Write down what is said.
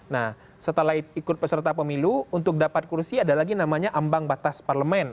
nah setelah ikut peserta pemilu untuk dapat kursi ada lagi namanya ambang batas parlemen